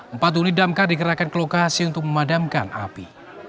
empat unit damkar dikerahkan ke lokasi untuk memadamkan api